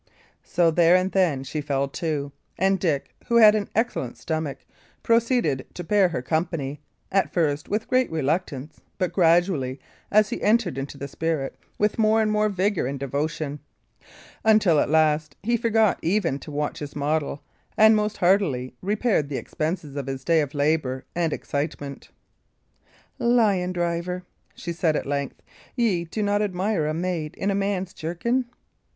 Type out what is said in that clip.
So there and then she fell to; and Dick, who had an excellent stomach, proceeded to bear her company, at first with great reluctance, but gradually, as he entered into the spirit, with more and more vigour and devotion: until, at last, he forgot even to watch his model, and most heartily repaired the expenses of his day of labour and excitement. "Lion driver," she said, at length, "ye do not admire a maid in a man's jerkin?"